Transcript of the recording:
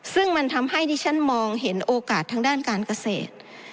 ซึ่งมันทำให้ดิฉันมองเห็นโอกาสทางด้านการเกษตร